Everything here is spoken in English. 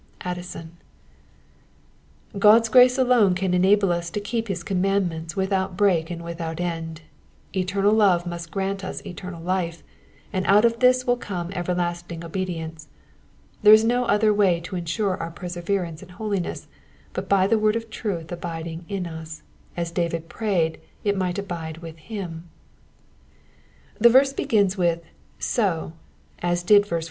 — Addison, God's grace alone can enable us to keep his commandments without break and without end ; eternal love must grant us eternal life, and out of this will come everlasting obedience. There is no other way to ensure our perseverance in holiness but by the word of truth abiding in us, as David prayed it might abide with him. The verse begins with So," as did verse 42.